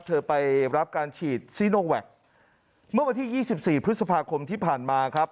เธอไปรับการฉีดซีโนแวคเมื่อวันที่ยี่สิบสี่พฤษภาคมที่ผ่านมาครับ